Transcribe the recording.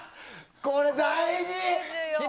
これ、大事！